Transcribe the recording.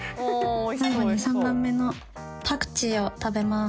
最後に３番目のパクチーを食べます